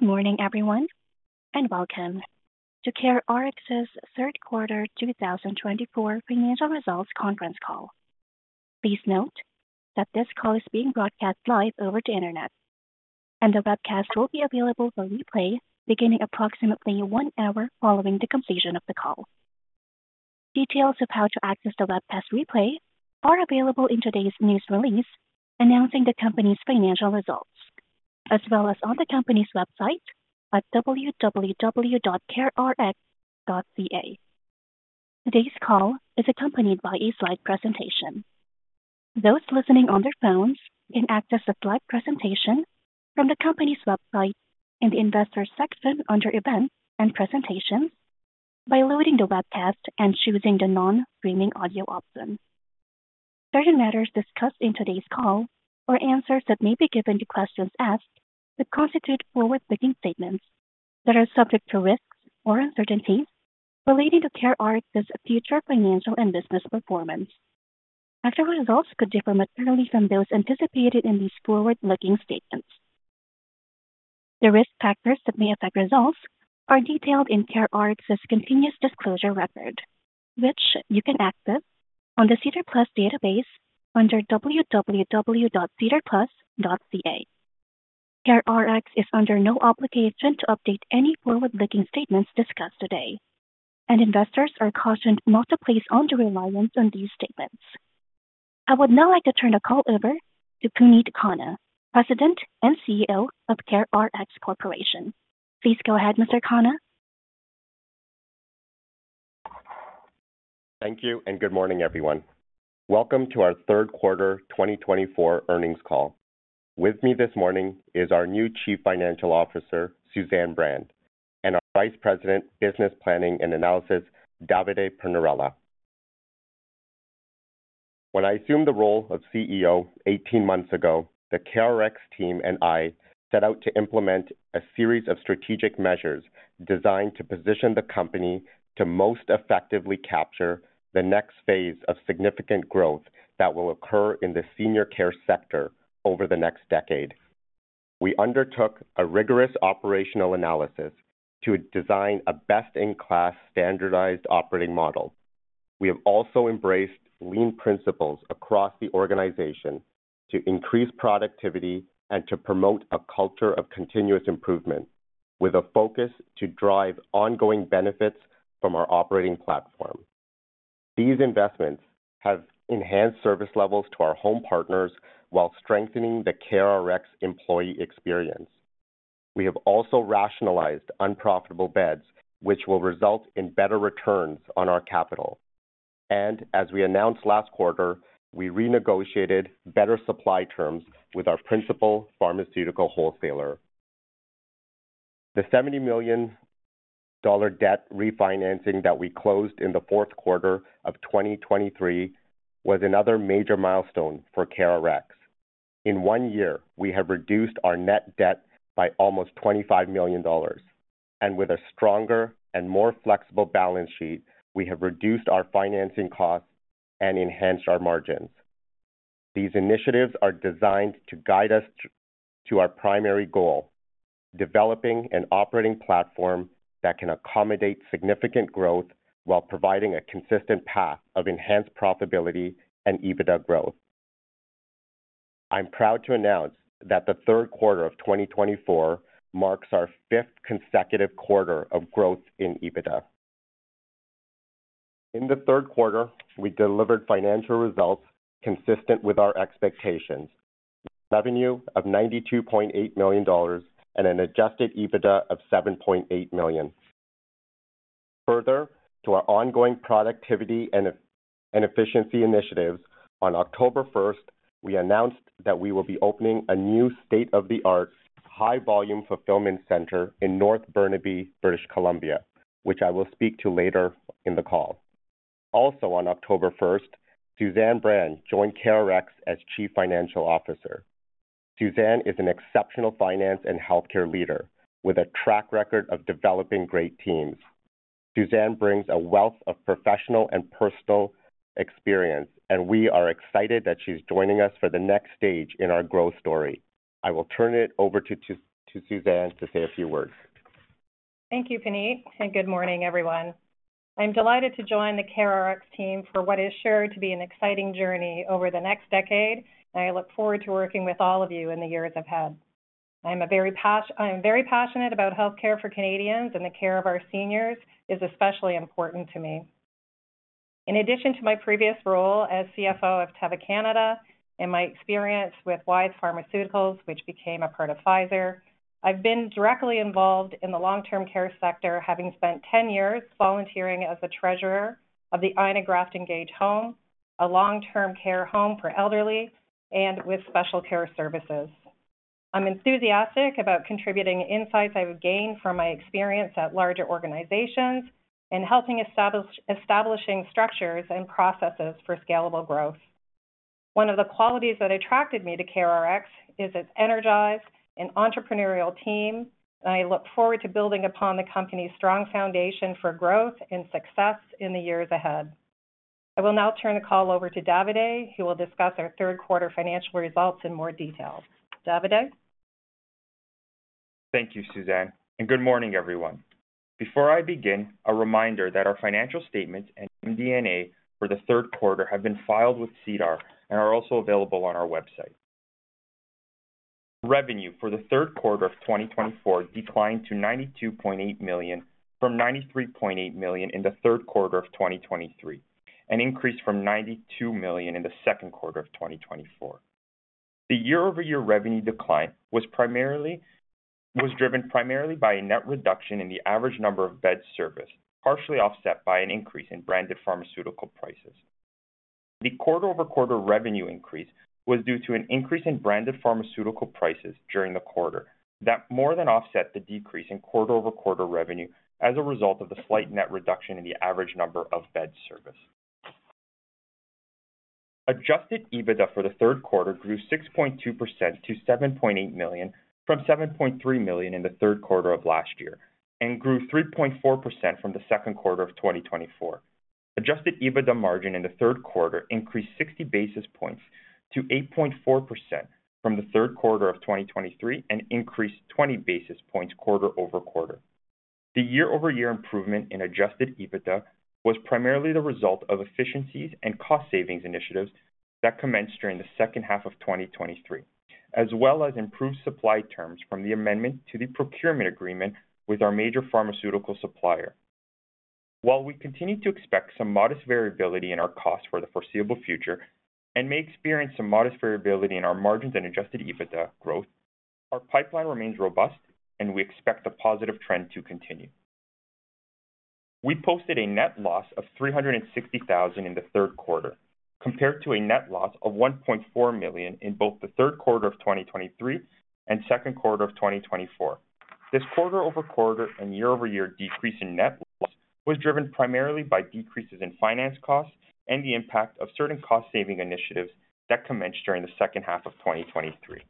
Good morning, everyone, and welcome to CareRx's Third Quarter 2024 Financial Results Conference Call. Please note that this call is being broadcast live over the internet, and the webcast will be available for replay beginning approximately one hour following the completion of the call. Details of how to access the webcast replay are available in today's news release announcing the company's financial results, as well as on the company's website at www.carerx.ca. Today's call is accompanied by a slide presentation. Those listening on their phones can access the slide presentation from the company's website in the Investor section under Events and Presentations by loading the webcast and choosing the non-streaming audio option. Certain matters discussed in today's call or answers that may be given to questions asked would constitute forward-looking statements that are subject to risks or uncertainties relating to CareRx's future financial and business performance, as the results could differ materially from those anticipated in these forward-looking statements. The risk factors that may affect results are detailed in CareRx's continuous disclosure record, which you can access on the SEDAR+ database under www.sedarplus.ca. CareRx is under no obligation to update any forward-looking statements discussed today, and investors are cautioned not to place undue reliance on these statements. I would now like to turn the call over to Puneet Khanna, President and CEO of CareRx Corporation. Please go ahead, Mr. Khanna. Thank you, and good morning, everyone. Welcome to our third quarter 2024 earnings call. With me this morning is our new Chief Financial Officer, Suzanne Brand, and our Vice President, Business Planning and Analysis, Davide Pernarella. When I assumed the role of CEO 18 months ago, the CareRx team and I set out to implement a series of strategic measures designed to position the company to most effectively capture the next phase of significant growth that will occur in the senior care sector over the next decade. We undertook a rigorous operational analysis to design a best-in-class standardized operating model. We have also embraced lean principles across the organization to increase productivity and to promote a culture of continuous improvement, with a focus to drive ongoing benefits from our operating platform. These investments have enhanced service levels to our home partners while strengthening the CareRx employee experience. We have also rationalized unprofitable beds, which will result in better returns on our capital. And as we announced last quarter, we renegotiated better supply terms with our principal pharmaceutical wholesaler. The 70 million dollar debt refinancing that we closed in the fourth quarter of 2023 was another major milestone for CareRx. In one year, we have reduced our net debt by almost 25 million dollars, and with a stronger and more flexible balance sheet, we have reduced our financing costs and enhanced our margins. These initiatives are designed to guide us to our primary goal: developing an operating platform that can accommodate significant growth while providing a consistent path of enhanced profitability and EBITDA growth. I'm proud to announce that the third quarter of 2024 marks our fifth consecutive quarter of growth in EBITDA. In the third quarter, we delivered financial results consistent with our expectations: revenue of 92.8 million dollars and an adjusted EBITDA of 7.8 million. Further to our ongoing productivity and efficiency initiatives, on October 1st, we announced that we will be opening a new state-of-the-art high-volume fulfillment center in North Burnaby, British Columbia, which I will speak to later in the call. Also, on October 1st, Suzanne Brand joined CareRx as Chief Financial Officer. Suzanne is an exceptional finance and healthcare leader with a track record of developing great teams. Suzanne brings a wealth of professional and personal experience, and we are excited that she's joining us for the next stage in our growth story. I will turn it over to Suzanne to say a few words. Thank you, Puneet, and good morning, everyone. I'm delighted to join the CareRx team for what is sure to be an exciting journey over the next decade, and I look forward to working with all of you in the years ahead. I'm very passionate about healthcare for Canadians, and the care of our seniors is especially important to me. In addition to my previous role as CFO of Teva Canada and my experience with Wyeth Pharmaceuticals, which became a part of Pfizer, I've been directly involved in the long-term care sector, having spent 10 years volunteering as the treasurer of the Ivan Franko Homes, a long-term care home for elderly and with special care services. I'm enthusiastic about contributing insights I've gained from my experience at larger organizations and helping establishing structures and processes for scalable growth. One of the qualities that attracted me to CareRx is its energized and entrepreneurial team, and I look forward to building upon the company's strong foundation for growth and success in the years ahead. I will now turn the call over to Davide, who will discuss our third-quarter financial results in more detail. Davide. Thank you, Suzanne, and good morning, everyone. Before I begin, a reminder that our financial statements and MD&A for the third quarter have been filed with SEDAR+ and are also available on our website. Revenue for the third quarter of 2024 declined to 92.8 million from 93.8 million in the third quarter of 2023, an increase from 92 million in the second quarter of 2024. The year-over-year revenue decline was driven primarily by a net reduction in the average number of beds serviced, partially offset by an increase in branded pharmaceutical prices. The quarter-over-quarter revenue increase was due to an increase in branded pharmaceutical prices during the quarter that more than offset the decrease in quarter-over-quarter revenue as a result of the slight net reduction in the average number of beds serviced. Adjusted EBITDA for the third quarter grew 6.2% to 7.8 million from 7.3 million in the third quarter of last year and grew 3.4% from the second quarter of 2024. Adjusted EBITDA margin in the third quarter increased 60 basis points to 8.4% from the third quarter of 2023 and increased 20 basis points quarter-over-quarter. The year-over-year improvement in adjusted EBITDA was primarily the result of efficiencies and cost savings initiatives that commenced during the second half of 2023, as well as improved supply terms from the amendment to the procurement agreement with our major pharmaceutical supplier. While we continue to expect some modest variability in our costs for the foreseeable future and may experience some modest variability in our margins and adjusted EBITDA growth, our pipeline remains robust, and we expect the positive trend to continue. We posted a net loss of 360,000 in the third quarter, compared to a net loss of 1.4 million in both the third quarter of 2023 and second quarter of 2024. This quarter-over-quarter and year-over-year decrease in net loss was driven primarily by decreases in finance costs and the impact of certain cost saving initiatives that commenced during the second half of 2023.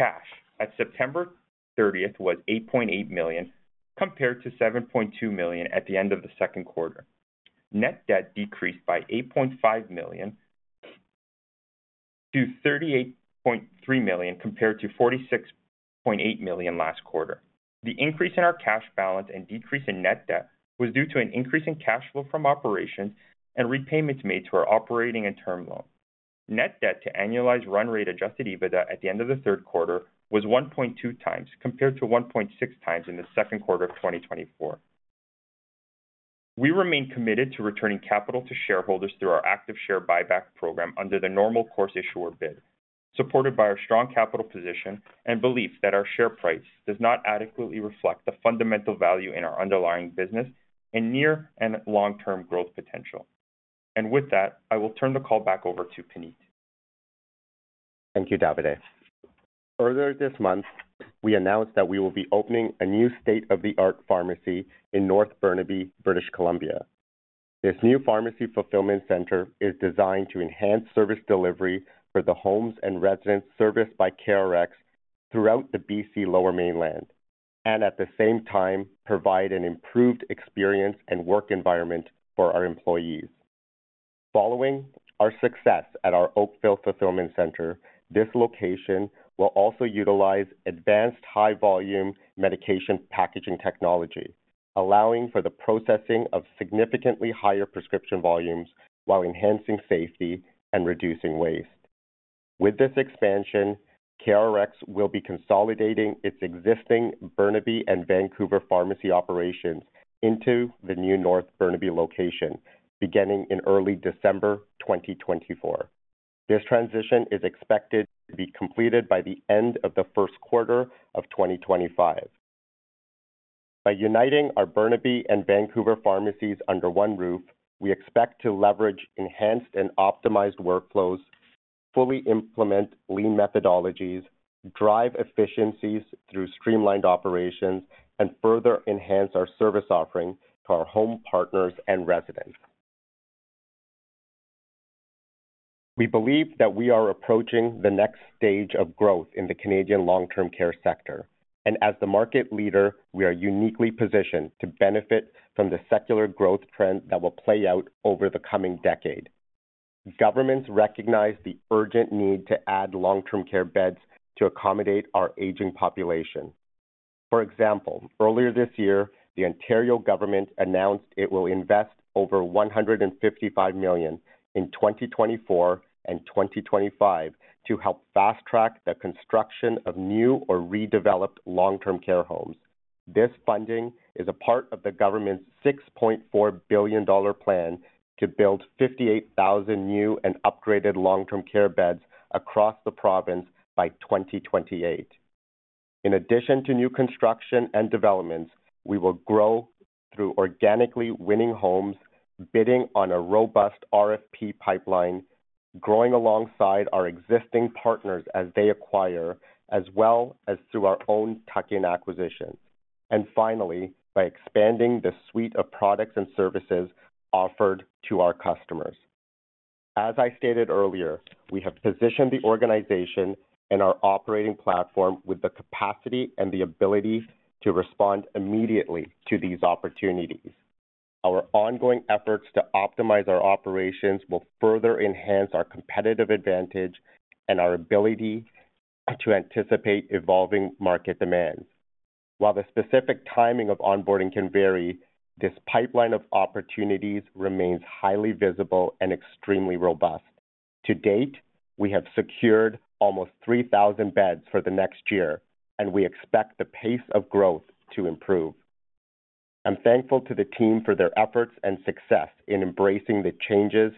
Cash at September 30th was 8.8 million, compared to 7.2 million at the end of the second quarter. Net debt decreased by 8.5 million to 38.3 million, compared to 46.8 million last quarter. The increase in our cash balance and decrease in net debt was due to an increase in cash flow from operations and repayments made to our operating and term loan. Net debt to annualized run rate Adjusted EBITDA at the end of the third quarter was 1.2x, compared to 1.6x in the second quarter of 2024. We remain committed to returning capital to shareholders through our active share buyback program under the Normal Course Issuer Bid, supported by our strong capital position and belief that our share price does not adequately reflect the fundamental value in our underlying business and near and long-term growth potential. And with that, I will turn the call back over to Puneet. Thank you, Davide. Earlier this month, we announced that we will be opening a new state-of-the-art pharmacy in North Burnaby, British Columbia. This new pharmacy fulfillment center is designed to enhance service delivery for the homes and residents serviced by CareRx throughout the BC Lower Mainland and, at the same time, provide an improved experience and work environment for our employees. Following our success at our Oakville fulfillment center, this location will also utilize advanced high-volume medication packaging technology, allowing for the processing of significantly higher prescription volumes while enhancing safety and reducing waste. With this expansion, CareRx will be consolidating its existing Burnaby and Vancouver pharmacy operations into the new North Burnaby location beginning in early December 2024. This transition is expected to be completed by the end of the first quarter of 2025. By uniting our Burnaby and Vancouver pharmacies under one roof, we expect to leverage enhanced and optimized workflows, fully implement lean methodologies, drive efficiencies through streamlined operations, and further enhance our service offering to our home partners and residents. We believe that we are approaching the next stage of growth in the Canadian long-term care sector, and as the market leader, we are uniquely positioned to benefit from the secular growth trend that will play out over the coming decade. Governments recognize the urgent need to add long-term care beds to accommodate our aging population. For example, earlier this year, the Ontario government announced it will invest over 155 million in 2024 and 2025 to help fast-track the construction of new or redeveloped long-term care homes. This funding is a part of the government's 6.4 billion dollar plan to build 58,000 new and upgraded long-term care beds across the province by 2028. In addition to new construction and developments, we will grow through organically winning homes, bidding on a robust RFP pipeline, growing alongside our existing partners as they acquire, as well as through our own tuck-in acquisitions, and finally, by expanding the suite of products and services offered to our customers. As I stated earlier, we have positioned the organization and our operating platform with the capacity and the ability to respond immediately to these opportunities. Our ongoing efforts to optimize our operations will further enhance our competitive advantage and our ability to anticipate evolving market demands. While the specific timing of onboarding can vary, this pipeline of opportunities remains highly visible and extremely robust. To date, we have secured almost 3,000 beds for the next year, and we expect the pace of growth to improve. I'm thankful to the team for their efforts and success in embracing the changes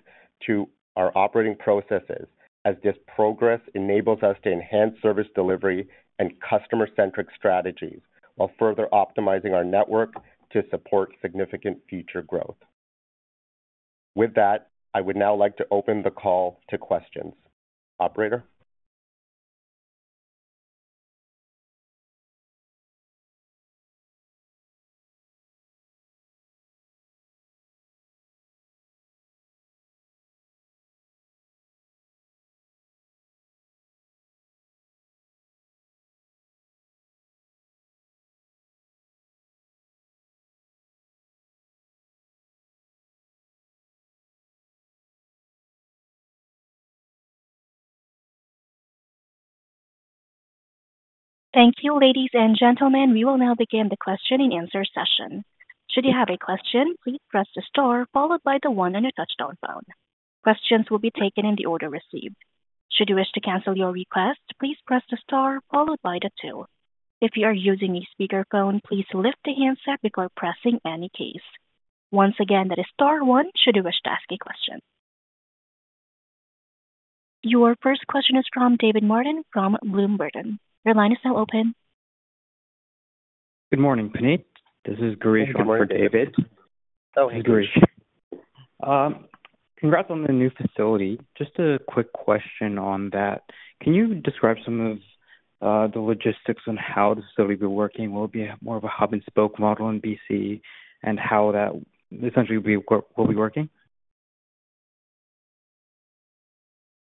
to our operating processes, as this progress enables us to enhance service delivery and customer-centric strategies while further optimizing our network to support significant future growth. With that, I would now like to open the call to questions. Operator. Thank you, ladies and gentlemen. We will now begin the question and answer session. Should you have a question, please press the star, followed by the one on your touch-tone phone. Questions will be taken in the order received. Should you wish to cancel your request, please press the star, followed by the two. If you are using a speakerphone, please lift the handset before pressing any keys. Once again, that is star one. Should you wish to ask a question. Your first question is from David Martin from Bloom Burton. Your line is now open. Good morning, Puneet. This is Girish for David. Hello. Hey, Gurish. Congrats on the new facility. Just a quick question on that. Can you describe some of the logistics on how the facility will be working? Will it be more of a hub-and-spoke model in BC and how that essentially will be working?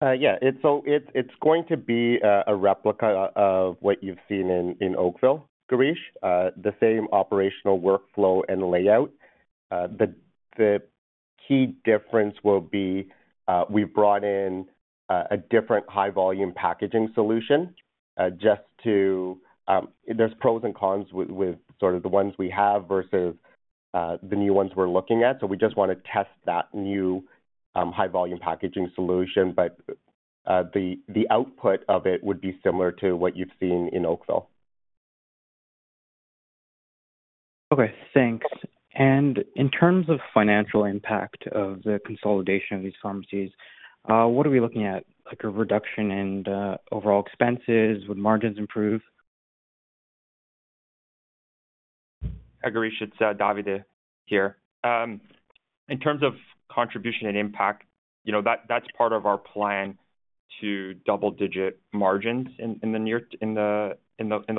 Yeah. It's going to be a replica of what you've seen in Oakville, Girish, the same operational workflow and layout. The key difference will be we've brought in a different high-volume packaging solution. There's pros and cons with sort of the ones we have versus the new ones we're looking at, so we just want to test that new high-volume packaging solution, but the output of it would be similar to what you've seen in Oakville. Okay. Thanks. And in terms of financial impact of the consolidation of these pharmacies, what are we looking at, like a reduction in overall expenses? Would margins improve? Hi, Girish. It's Davide here. In terms of contribution and impact, that's part of our plan to double-digit margins in the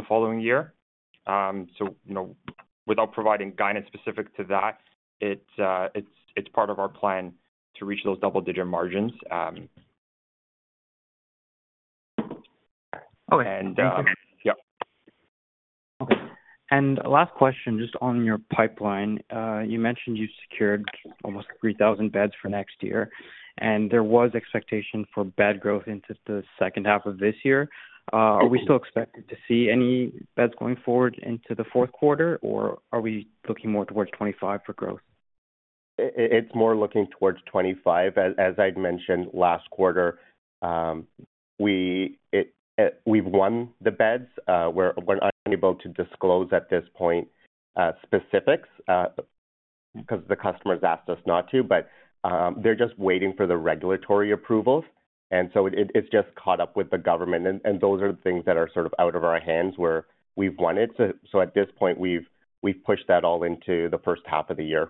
following year. So without providing guidance specific to that, it's part of our plan to reach those double-digit margins. Okay. Thank you. Yeah. Okay. And last question, just on your pipeline. You mentioned you secured almost 3,000 beds for next year, and there was expectation for bed growth into the second half of this year. Are we still expected to see any beds going forward into the fourth quarter, or are we looking more towards 2025 for growth? It's more looking towards 2025. As I'd mentioned last quarter, we've won the beds. We're unable to disclose at this point specifics because the customers asked us not to, but they're just waiting for the regulatory approvals, and so it's just caught up with the government, and those are the things that are sort of out of our hands where we've won it, so at this point, we've pushed that all into the first half of the year,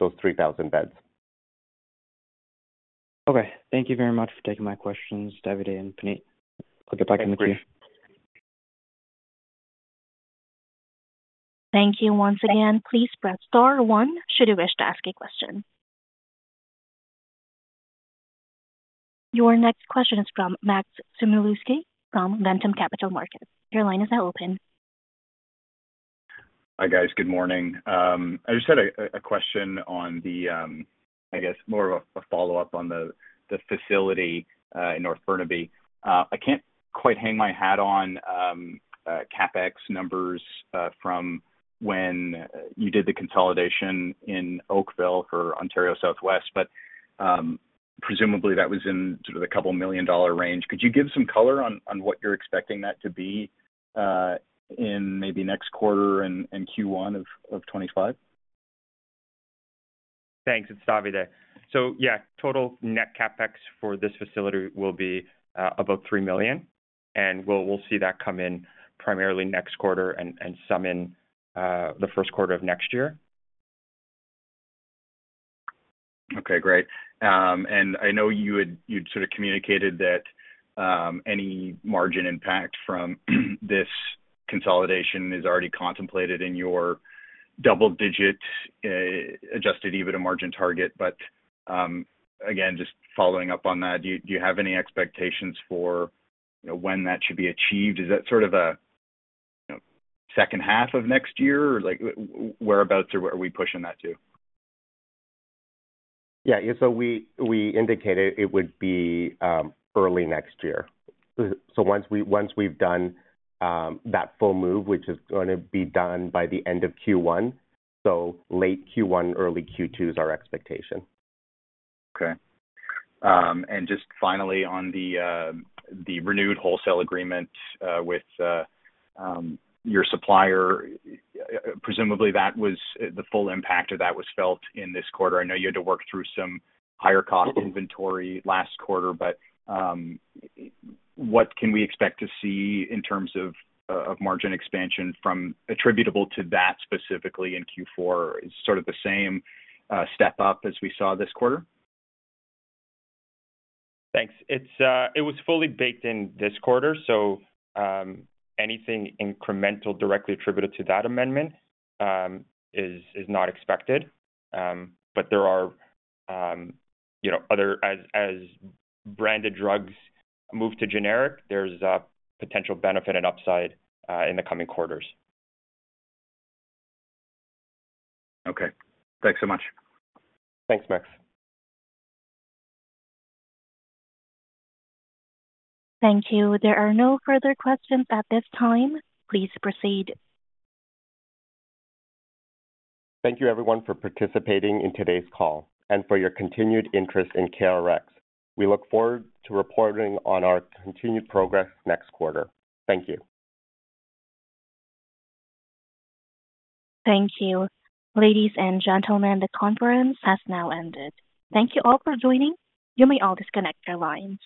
those 3,000 beds. Okay. Thank you very much for taking my questions, Davide and Puneet. I'll get back in the queue. Thank you once again. Please press star one should you wish to ask a question. Your next question is from Max Smulenok from Ventum Capital Markets. Your line is now open. Hi, guys. Good morning. I just had a question on the, I guess, more of a follow-up on the facility in North Burnaby. I can't quite hang my hat on CapEx numbers from when you did the consolidation in Oakville for Ontario Southwest, but presumably that was in sort of the 2 million dollar range. Could you give some color on what you're expecting that to be in maybe next quarter and Q1 of 2025? Thanks. It's Davide here. So yeah, total net CapEx for this facility will be about 3 million, and we'll see that come in primarily next quarter and some in the first quarter of next year. Okay. Great. And I know you'd sort of communicated that any margin impact from this consolidation is already contemplated in your double-digit adjusted EBITDA margin target. But again, just following up on that, do you have any expectations for when that should be achieved? Is that sort of the second half of next year? Whereabouts are we pushing that to? Yeah. So we indicated it would be early next year. So once we've done that full move, which is going to be done by the end of Q1, so late Q1, early Q2 is our expectation. Okay. And just finally, on the renewed wholesale agreement with your supplier, presumably that was the full impact of that was felt in this quarter. I know you had to work through some higher-cost inventory last quarter, but what can we expect to see in terms of margin expansion attributable to that specifically in Q4? Is it sort of the same step up as we saw this quarter? Thanks. It was fully baked in this quarter, so anything incremental directly attributed to that amendment is not expected. But there are other, as branded drugs move to generic, there's a potential benefit and upside in the coming quarters. Okay. Thanks so much. Thanks, Max. Thank you. There are no further questions at this time. Please proceed. Thank you, everyone, for participating in today's call and for your continued interest in CareRx. We look forward to reporting on our continued progress next quarter. Thank you. Thank you. Ladies and gentlemen, the conference has now ended. Thank you all for joining. You may all disconnect your lines.